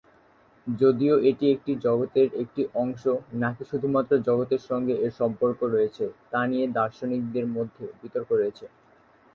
যদিও এটি কি জগতের একটি অংশ নাকি শুধুমাত্র জগতের সঙ্গে এর সম্পর্ক রয়েছে তা নিয়ে দার্শনিকদের মধ্যে বিতর্ক রয়েছে।